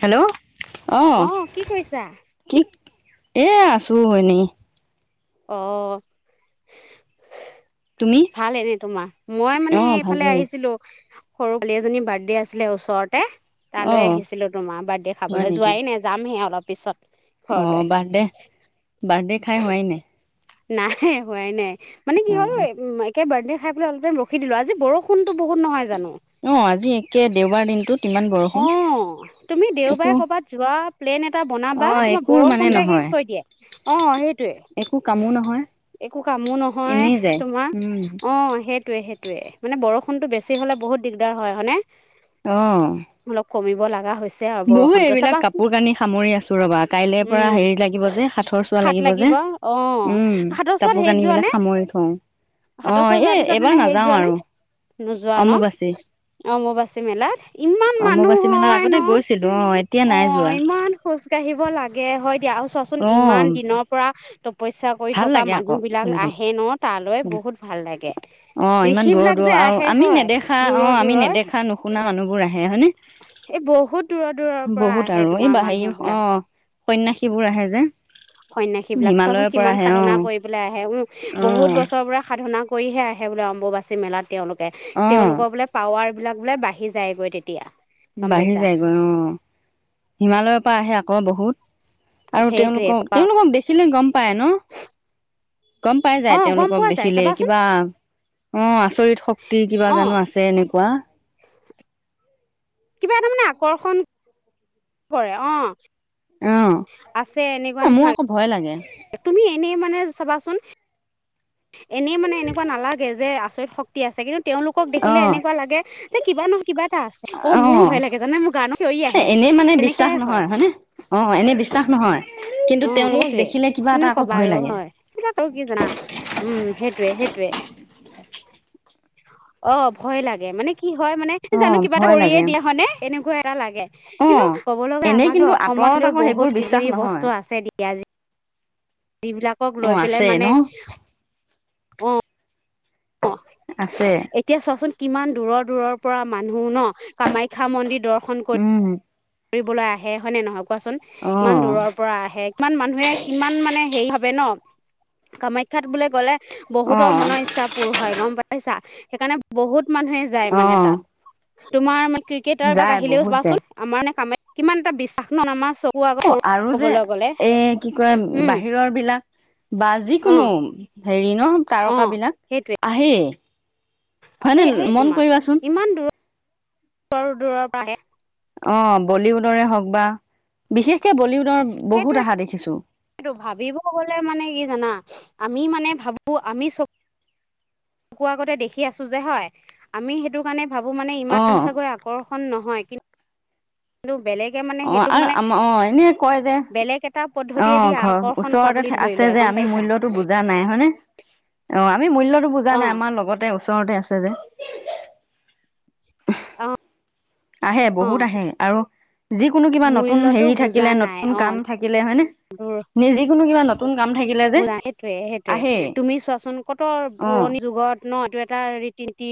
Hello অ কি কৰিছা কি এ আছো এনেই অ তুমি ভাল এনে তোমাৰ মই মানে অ এইফালে ভালেই আহিছিলো সৰু ছোৱালী এজনী বাৰ্থডে আছিলে ওচৰতে অ তালৈ আহিছিলো তোমাৰ বাৰ্থডে হয় খাবলৈ নেকি যোৱাই নাই যামহে অলপ পিছত ঘৰলৈ অ' বাৰ্থডে বাৰ্থডে। খাই হোৱাই নাই। নাই হোৱাই নাই। মানে কি অ হল এ ম একে বাৰ্থে খাই পেলাই অলপ টাইম ৰখি দিলো আজি বৰষুণটো বহুত নহয় জানো। অ' আজি একে দেওবাৰ দিন অ' তুমি একো দেওবাৰে কৰ'বাত যোৱা প্লেন এটা অ বনাবা তোমাৰ একো মানে বৰষুণটোৱে শেষ নহয় কৰি দিয়ে। অ' একো কামো নহয় সেইটোয়ে একো কামো নহয় এনেই যায় তোমাৰ উম অ' সেই সেইটোয়ে সেইটোয়ে মানে বৰষুণ তো বেছি হ'লে বহুত দিগদাৰ হয় হয়নে? অ। কমিব লাগা হৈছে। চেআ বহু বৰষুণ ত এইবিলাক চাবাচোন কাপোৰ কানি সামৰি আছো ৰবা কাইলৈৰ পৰা উম হেৰি লাগিব যে সাঁথৰ চোৱা শাত যে লাগিব অ' উম শাতৰ ওচৰত কাপোৰ হেইত কানি যোৱা বিলাক নে সামৰি থওঁ অ শাতৰ চুৱা এই যোৱাৰ পিছত এইবাৰ মানে হেইত নাযাও যোৱা নে আৰু নোযোৱা ন অম্বুবাচী অম্বুবাচি মেলাত। ইমান মানুহ অম্বুবাচী মেলাৰ হয় ন আগতে গৈছ অ' ইমান খোজ কাঢ়িব লাগে হয়। আৰু চোৱাচোন অ ইমান দিনৰ পৰা তপস্যা কৰি ভাল থকা লাগে আকৌ মানুহ বিলাক বুলি ক'লে আহে ন তাত। অলৈ বহুত ভাল লাগে অ ইমান ঋষি দূৰৰ বিলাক দূৰৰ যে আৰু আহে আমি হয় নেদেখা দূৰৰ দূৰৰ। হে হয় নে? এই বহুত দূৰৰ দূৰৰ পৰা বহুত আহে তোমাৰ মানুহ বিলাক। সেইবোৰ আহে যে। সন্যাসী বিলাক চোৱাচোন হিমালয়ৰ পৰা কিমান আহে অ সাধনা কৰি পেলাই আহে, উম অ বহুত বছৰৰ পৰা। সাধনা কৰিহে আহে বোলে অম্বুবাচী মেলাত তেওঁলোক। অ তেওঁলোকৰ বোলে পাৱাৰ বিলাক বোলে বাঢ়ি যায়গৈ তেতিয়া। গম বাঢ়ি পাইছা যায়গৈ অ' হিমালয়ৰ পৰা আহে আকৌ বহুত। আৰু সেইটোৱে তেওঁলোকক-তেওঁলোকক দে [unintelligible] গম পায় ন? গম পাই যায় অঁ গম তেওঁলোকক পোৱা যায় দেখিলে চাবাচোন কিবা অ' আচৰি [unintelligible] শক্তি কিবা অঁ জানো আছে এনেকুৱা। কিবা এটা মানে আকৰ্ষণ কৰে অ'। অ', মোৰ আকৌ ভয় লাগে। তুমি এনেই মানে চাবাচোন। এনেই মানে, এনেকুৱা নালাগে যে আ ত শক্তি আছে কিন্তু তেওঁলোকক দেখিলে অ', এনেকুৱা লাগে যে, কিবা নহ কিবা এটা আছে। অ', মোৰো ভই লাগে জানা, মোৰ গাৰ নোম শিয়ৰি এ আহে এনেই মানে বিশ্বাস তেনেকাই হয়। নহয় হয়নে? অ', এনে বিশ্বাস নহয় কিন্তু অ', তেওঁলোকক সেইটোয়ে, দেখিলে কিবা কিনো এটা আকৌ কবা ভয় আৰু লাগে। হয় কিবা আৰু কি জানা উম সেইটয়ে-সেইটোয়ে। অ', ভয় লাগে মানে কি হয় মানে, জানো অ', কিবা এটা ভয় কৰিয়ে লাগে দিয়ে, হয় নে? এনেকুৱা। এটা লাগে। কিন্তু, অ'। ক'ব লগা এনেই আমাৰো কিন্তু আঁতৰত অসমতো আকৌ বহুত সেইবোৰ কিবা- বিশ্বাস কিবি বস্তু নহয় আছে দিয়া আজি। যিবিলাকক লৈ অ', পেলাই আছে ন? মানে। অ'। অ', আছে। এতিয়া চোৱাচোন কিমান দূৰৰ-দূৰৰ পৰা মানুহ ন, কামাখ্যা মন্দিৰ দৰ্শন শন কৰি উম, কৰিবলৈ আহে হয়নে নহয়? কোৱাচোন ইমান অ', দূৰৰ পৰা আহে, কিমান মানুহে কিমান মানে হেৰি ভাবে ন? কামাখ্যাত বোলে গলে বহুতৰ অ', মনৰ ইচ্ছা পূৰ হয়, গম পাইছা? সেইকাৰণে বহুত। মানুহে যায় মানে অ', তাত। তোমাৰ মানে ক্ৰিকেটাৰ এ তাক যায় আহিলেও বহুত চাবাচোন, যায়। আমাৰ নে কামে, কিমান এটা বিশ্বাস ন আমাৰ আগত সৰু অ'আৰু যে ক'বলৈ গ'লে এ, কি কয় উম বাহিৰৰ বিলাক বা অ যিকোনো হেৰি। ন, অ তাৰকা বিলাক সেইটোৱে আহেই। হয় নে আহেই আহেই মন তোমাৰ কৰিবাচোন। ইমান দূৰৰ পৰা আহে। [unintelligible] বিশেষ কে বলিউড। সেইটোৱেটো, সেইটো ভাবিব গলে মানে কি জানা। আমি মানে ভাবোঁ! আমি চক। চকুৰ আগতে দেখি আছো যে হয় আমি সেইটো কাৰণে। ভাবো মানে ইমান অ', চাগৈ আকৰ্ষণ নহয় কিন্তু নো বেলেগ। অ' আৰু আমাৰ অ'এনে কয় যে বেলেগ এটা অ পদ্ধতিয়েদি ঘৰ আকৰ্ষণ কৰা বুলি ওচৰতে ধৰি আছে লয় যে গম আমি পাইছা মূল্যটো বুজা নাই হয়নে অ' আমি মূল্যটো বুজা অ নাই আমাৰ লগতে ওচৰতে আছে। [unintelligible] অ', আহে, অ বহুত আহে আৰু যিকোনো কিবা নতুন মূল্যটো হেৰি বুজা থাকিলে, নাই নতুন অ কাম থাকিলে, হয় নে? নিজে কিমানত বুজা সেইটোয়ে সেইটোয়ে তুমি চোৱাচোন ক'ত অ', পুৰণি যুগৰ ন ত এটা ৰীতি নীতি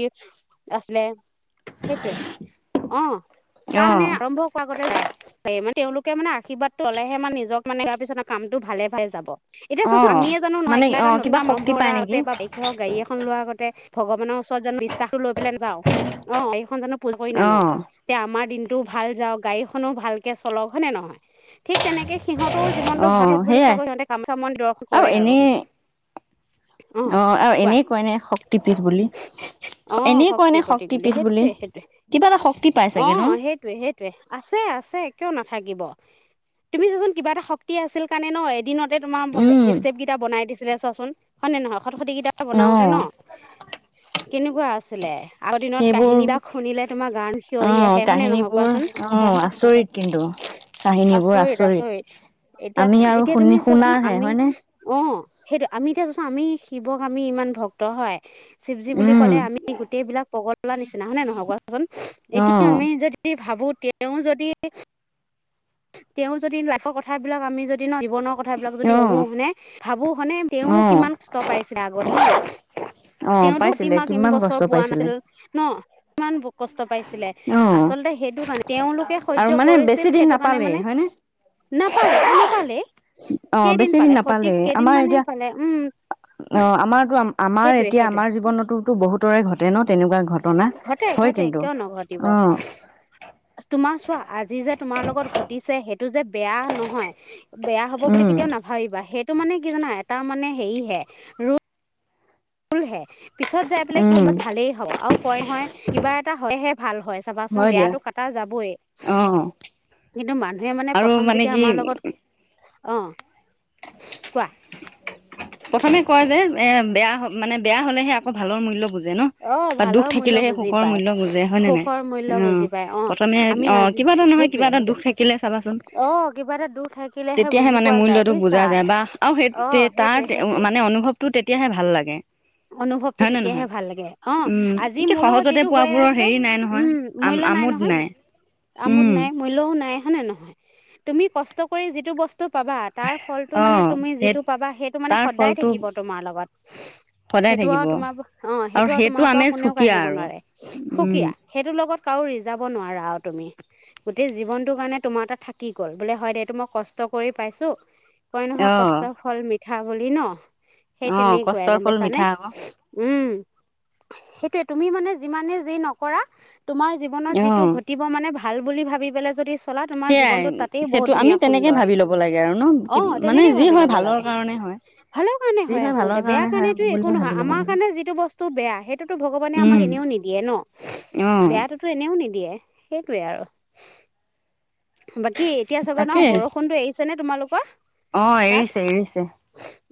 আছিলে। সেইটোৱে, অ' তাৰ মানে অ', আৰম্ভ কৰা আগতে যায় মানে তেওঁলোকে মানে আশীৰ্বাদটো ল'লেহে মানে নিজক মানে ইয়াৰ পিছত কামটো ভালে ভালে যাব। এতিয়া চোৱাচোন অ', আমিয়ে জানো ন মানে এটিয়া এটা অ', নতুন কিবা কাম শক্তি আৰম্ভৰ কৰা পায় নেকি আগতে বা বাইক গাড়ী এখন লোৱাৰ আগতে ভগৱানৰ ওচৰত জানো বিশ্বাসো লৈ পেলাই নাযাও অ'এইখন জানো। অ', [unintelligible] যে আমাৰ দিন টো ভাল যাওক গাড়ীখনো ভালকে চলক হয়নে নহয়। ঠিক তেনেকৈ সিহঁতৰো জীৱনটো ভাল অ', হওক বুলি বুলি সেইয়াই চাগৈ সি হতে। আৰু এনেই অ অ, আৰু কোৱা এনেই কয়নে শক্তি অ', শক্তিৰ প্ৰতীক বুলি সেইটোৱে সেইটোৱে কিবা এটা শক্তি পাই অ, চাগে ন সেইটোৱে সেইটোৱে আছে আছে কিয় নাথাকিব। তুমি চোৱাচোন কিবা এটা শক্তি আছিল কাৰণে ন এদিনত উম তোমাৰ ষ্টেপ কেইটা বনাই দিছিলে। চোৱাচোন। হয় নে নহয় খট খটি কেইটা অ বনাওতে ন? কেনেকুৱা আছিলে? আগৰ দিনত সেইবোৰ কাহিনী বিলাক শুনিলে তোমাৰ গাৰ নুম অ সিয়ৰি আহে হয়নে নহয় কাহিনীবোৰ কোৱাচোন। অ আচৰিত কিন্তু কাহিনীবোৰ আচৰিত আচৰিত-আচৰিত এতিয়া আমি আৰু এতিয়া তুমি শুনি চোৱাচোন শুনাৰহে আমি হয়নে অ' সেইটো আমি এতিয়া চোৱা আমি শিৱক আমি ইমান ভক্ত হয় শিৱজি বুলি উম ক'লে আমি গোটেইবিলাক পগ লা নিচিনা, হয় নে নহয় কোৱা চোন অ এতিয়া আমি যদি ভাবো তেওঁ যদি, তেওঁ যদি লাইফৰ কথাবিলাক আমি যদি ন জীৱনৰ কথাবিলাক যদি অ পঢ়ো হয়নে, ভাবো হয়নে তেওঁ অ কিমান কষ্ট পাইছে আগত ন? অ তেওঁতো পাইছিলে সতিমাক ইম কিমান কষ্ট বছৰ পোৱা পাইছিলে নাছিল ন? কিমান বু কষ্ট পাইছিলে, অ আচলতে সেইটো কাৰণে তেওঁলোকে সহ্য আৰু মানে কৰিছিল বেছি দিন সেইটো কাৰণে নাপালেই মানে, হয়নে নাপালে অ নাপালেই, অ কেইদিন বেছি পালে? দিন সতিক নাপালেই কেইদিন আমাৰ মানহে এতিয়া পালে, উম, অ আমাৰতো আমাৰ সেইটোৱে। এতিয়া আমাৰ জীৱনততো বহুত ৰে ঘটে ন তেনেকুৱা ঘট টনা হয় কিন্তু। নঘিব অ তোমাৰ চোৱা আজি যে তোমাৰ লগত ঘটিছে টোযে বেয়া নহয়। বেয়া হ'ব বুলি উম কেতিয়াও নাভাবিবা সেই এইটো মানে কি জানা এটা মানে হেৰিহে ৰ ফুল হে পিছত যাই পেলাই কি উম সময়ত ভালেই হব আৰু কয় নহয় কিবা এটা হয়হে ভাল হয় চাবাচোন হয় দিয়া বেয়াতটো কটা যাবই অ কিন্তু মানুহে মানে আৰু প্ৰথম মানে যেতিয়া কি আমাৰ লগত অ কোৱা প্ৰথমে কয় যে এ বেয়া মানে বেয়া হলেহে আকৌ ভালৰ মূল্য বুজি অ ভালৰ মূল্য বুজি পাই বুজে হয় নে নাই সুখৰ মূল্য অ বুজি পাই অ প্ৰথমে আমি অ আজি কিবা এটা নহয় কিবা সেইটয়ে এটা দুখ থাকিলে চাবাচোন সেইটোয়ে অ কিবা এটা দুখ থাকিলেহে তেতিয়াহে বুজি মানে পোৱা যায় মূল্যটো বুজা বুজিছা যায় বা আৰু অ সেই তাৰ সেইটয়ে মানে অনুভৱটো তেতিয়াহে ভাল লাগে। অনুভৱটো হয় নে নহয় তেতিয়াহে ভাল লাগে অ উম, আজি কি মোৰ লগত সহজতে যিটো হৈ পোৱাবোৰৰ আছে হেৰি নাই নহয় উম আম মূল্য নাই আমোদ নহয় আমোদ উম, নাই মূল্যও নাই হয়নে নহয় তুমি কষ্ট কৰি যিটো বস্ টো পাবা তাৰ ফলটো মানে অ', তুমি সেই যিটো পাবা সেইটো মানে তাৰ সদায় ফলটো থাকিব তোমাৰ লগত সদায় সেইটো আও থাকিব তোমাৰ পৰা অ আৰু সেইটো আও তোমাৰ পৰা আমেজ কোনেও সুকীয়া কাঢ়িব আৰু নোৱাৰে উম, সুকীয়া সেইটো লগত কাও ৰিজাব নোৱাৰা আও তুমি গোটেই জীৱনটো কাৰণে তোমাৰ এটা থাকি গ'ল বোলে হয় দে এইটো মই কষ্ট কৰি পাইছো কই নহয় অ', কষ্ট ফল মি পিঠা বুলি ন। সেই অ', তেনে কৈ কষ্টৰ গম ফল পাইছো। উম মিঠা আকৌ সেইটোয়ে তুমি মানে যিমানে যি নকৰা। তোমাৰ জীৱনত যিটো অ', ঘটিব মানে ভাল। ভাল বুলি ভাবি পেলাই যদি। চলা তোমাৰ সেইয়াই জীৱনটোত তাতেই বহুত সেইটো আমি ধুনীয়া তেনেকে সুন্দৰ ভাবি ল'ব লাগে আৰু ন অ মানে তেনেকে যি ভাবি হয় ল'ব ভালৰ লাগে কাৰণে হয় ভালৰ কাৰণে যি হয় ভালৰ আচলতে বেয়া কাৰণে হয়। কাৰণেতো একো বুলিয়ে ভাবি নহয় ল'ব আমাৰ লাগে কাৰণে যিটো বস্তু বেয়া সেইটোতো ভগৱানে আমাক উম, এনেও নিদিয়ে ন অ', বেয়াাতটোতো এনে। নিদিয়ে সেইটোৱে আৰু। বাকী এতিয়া চাগৈ ন তাকেই বৰষুনতো এিছে নে তোমালোক কোৱা। অ', তাত এৰিছে এৰিছে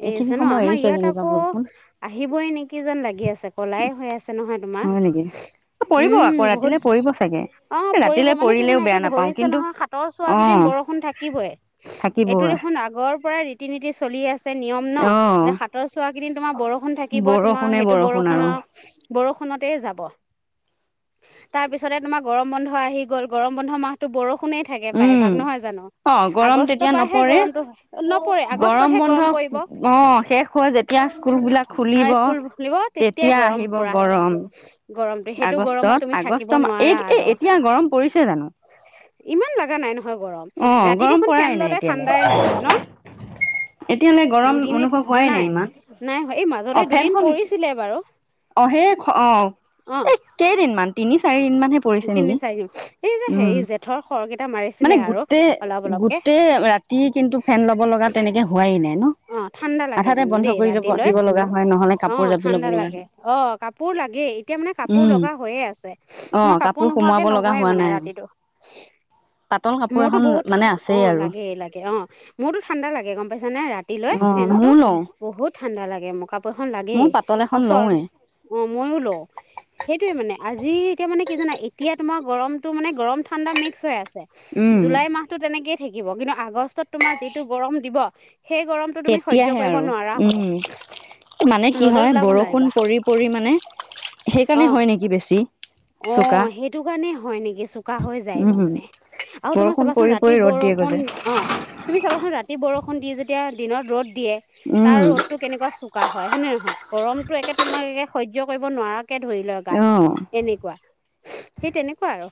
এৰি এইখিনি আছে ন সময় আমাৰ এৰিছে ইয়াত যেনিবা আকৌ বৰষুণ। আহিবই নেকি যেন লাগি আছে কলাই হৈ আছে নহয় তোমাৰ হয় নেকি পৰিব উম আকৌ বহুত ৰাতিলে পৰিব চাগে অ পৰিব ৰাতিলে মানে কি জে পৰিলেও বেয়া এতিয়া নাপাওঁ ধৰিছে। কিন্তু নহয় হাতৰ চোৱা অ কেইদিন বৰষুণ থাকিবই এইটো থাকিবই দেখোন আগৰ। পৰা ৰীতি নীতি চলি আছে। নিয়ম ন অ যে হাতৰ চোৱা কেইদিন তোমাৰ বৰষুণ থাকিব তোমাৰ বৰষুণে সেইটো বৰষুণ আৰু বৰষুণৰ বৰষুণ। খতে যাব তাৰ পিছতে তোমাৰ গৰম বন্ধ আহি গ'ল গৰম বন্ধ মাহ। টো বৰষুণ শোনে থাকে পায় উম ভাগ নহয় জানো অ গৰম আগষ্টৰ তেতিয়া পৰাহে নপৰে গৰমটো নপৰে আগষ্টতহে গৰম পৰিব অ শেষ হৈ যেতিয়া স্কুল বিলাক খুলিব আৰু স্কুল খুলিব তেতিয়াই তেতিয়া গৰম আহিব প হ'ব গৰম গৰ। আগষ্টত আগষ্ট মাহ এই এ এতিয়া গৰম পৰিছে জানো। ইমান লগা নাই নহয় গৰম অ ৰাতিত গৰম এখন পৰাই ফেন নাই ললে এতিয়ালৈ ঠাণ্ডাই লাগে ন এতিয়ালৈ গৰম দুদিনে অনুভৱ হোৱাই নাই ইমান নাই এই অ মাজতে দুদিন ফেনখন পৰিছিলে বাৰু। অ' সেই অ অ এই কেইদিন মানে তিনি চাৰি। দিন মানহে পৰিছে তিনি নেকি চাৰিদিন এই যে উম হেৰি যে থৰ খৰকেইটা। মানে মাৰিছিলে আৰু গোটেই অলপ অলপকে গোটেই ৰাতি কিন্তু ফেন লব লগা তেনেকে হোৱাই নাই ন। অ ঠাণ্ডা লাগে আধাতে কিন্তু বন্ধ দেই কৰি লব ৰাতিলৈ দিব লগা হয় নহলে আহ কাপোৰ জাপি ল'ব ঠাণ্ডা লগা লাগে হয় অ' কাপোৰ লাগেই এতিয়া মানে কাপোৰ উম লগা হৈয়ে আছে অ মো মই কাপোৰ নোহোৱাকে সোমোৱাব লগা নহয়ে মানে ৰাতিটো।। পাটল কাপোৰ মোৰতো এখন বহুত মানে অ আছেই আৰু। লাগেই লাগে অ মোৰতো ঠাণ্ডা লাগে গম পাইছে জানে ৰাতিলৈ অ ফেনতটো ময়ো লওঁ বহুত ঠাণ্ডা লাগে ম কাপোৰ এখন লাগেই ময়ো পাতল এখন আৰু চ লওঁৱে অ ময়ো লওঁ সেইটোয়ে মানে আজিতিয়া মানে কি জানা এতিয়া। তোমাৰ গৰমত মে গৰম ঠাণ্ডা মিক্স হৈ আছে। উম জুলাই মাহতো তেনেকেই। থাকিব কিন্তু আগষ্টত তোমাৰ যিটো গৰম দিব। সেই গৰমটো তুমি সহ্য় তেতিয়াহে কৰিব আৰু নোৱাৰা হব, উম মানে কি ৰ'দত হয় ওলাব বৰষুণ পৰি পৰি মানে নোৱাৰিবা, সেইকাৰণে অ হয় নেকি বেছি চোকা উম সেইটো কাৰণেই হয় নেকি চোকা হৈ যায় গৈ উম মানে। আৰু তোমাৰ বৰষুণ চাবাচোন পৰি ৰাতি পৰি ৰ'দ দিয়ে বৰষুণ গৈছে অ তুমি চাবাচোন ৰাতি বৰষুণ ষুণ দি যেতিয়া দিনত ৰ'দ দিয়ে তাৰ উম ৰ'দটো কেনেকুৱা চোকা হয়, হয়নে নহয়? গৰমতটো একে তোমাৰ একে সহ্য কৰিব নোৱাৰা কে ধৰি লয় অ গাত এনেকুৱা সেই তেনেকুৱা আৰু।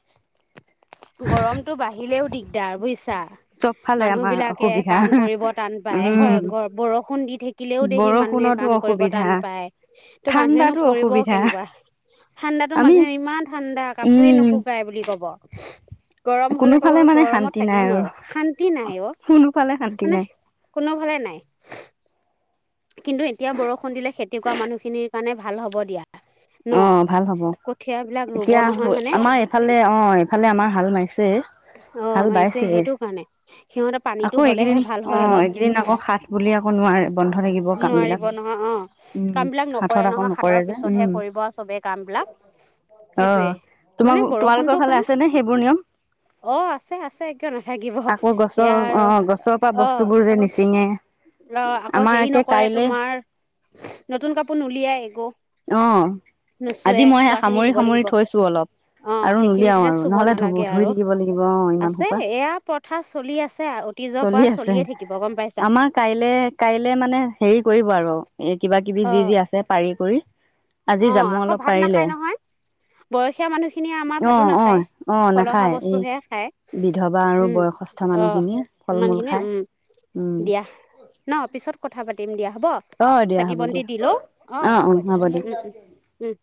গৰম আহিলেও দিগদাৰ বুজিছা চব ফালে মানুহ আমাৰ বিলাকে অসুবিধা কাম কৰিব টান পায় উম হয়, বৰষুণ দি থাকিলেও দেহি মানুহে বৰষুণতো কাম কৰিব অসুবিধা টান পায়, ত' মানুহেনো ঠাণ্ডাতো কৰিব অসুবিধা কেনেকুৱা ঠাণ্ডাতো আমি মানুহে ইমান ঠাণ্ডা কাপোৰেে উম নুশুকায় বুলি কব। গৰম হলে ক'ব কোনোফালে মানে গৰমত শান্তি থাকিব নাই আৰু নোৱাৰো, শান্তি নাই অ কোনোফালে শান্তি মানে নাই কোনোফালে নাই। কিন্তু এতিয়া বৰষুণ দিলে খেতি কৰা মানুহখিনিৰ কাৰণে ভাল হ'ব দিয়া। ন অ ভাল হ'ব, কঠিয়াবিলাক ৰুব এতিয়া নহয় হয়নে আমাৰ এইফালে অ এইফালে আমাৰ হাল মাৰিছে। অ হাল মাৰিছে বাইছেহে সেইটো কাৰণে সিহঁতে পানীটো আকৌ হলেহে এইকেইদিন ভাল অ হয় অলপ এইকেইদিন আকৌ সাত বুলি আকৌ নোৱাৰে বন্ধ যে। নোৱাৰিব নহয়, অ কাম বিলাক হাতত নকৰে আকৌ নহয় নকৰে সাতৰ যে পিছতহে উম কৰি ব চবে কাম বিলাক অ সেইটোয়ে তোমাক মানে বৰষুণটো তোমালোকৰ ফালে কাৰণে, আছেনে সেইবোৰ নিয়ম অ আছে আছে কিয় নাথাকিব আকৌ এয়া গছৰ অ আৰু গছৰ পৰা অ বস্তুবোৰ যে নিচিঙে ৰ আকৌ আমাৰ হেৰি একে নক কৰে কাইলে তোমাৰ নতুন কাপোৰ নুলিয়াই একো। অ নুচুৱে আজি মই সে চোৱা খিনি সামৰি ধুব সামৰি লাগিব, থৈছো অলপ অ আৰু সেইখিনি নুলিয়াও তেতিয়া আৰু চুব নহ'লে ধু নালাগে ধুই আৰু থাকিব লাগিব অ ইমান আছে সোপা এয়া প্ৰথা চলি আছে অ চলি আছে, আমাৰ কাইলে কাইলে মানে হেৰি কৰিব আৰু এই কিবা কিবি যি যি আছে পাৰি কৰি আজি অঁ জামু আকৌ অলপ ভাত পাৰিলে নাখায় নহয়, বয়সীয়া মানুহখিনিয়ে আমাৰ অ ভাতো অ নাখায়, অ ফলহা নাখায় এই বস্তুহে খায় বিধৱা আৰু উম বয়সস্থ অঁ। মানুহখিনিয়ে ফল মূল ইমানখিনিয়ে খায় উম, উম দিয়া ন পিছত কথা কথা পাতিম দিয়া। হ'ব অ দিয়া চাকি হ'ব বন্তি দিয়া দি লওঁ অঁ হ'ব দিয়া। উম উম উম।